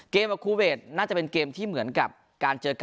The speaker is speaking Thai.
เกมอันดับคูเวทน่าจะเป็นเกมที่เหมือนกับการเจอกาต้า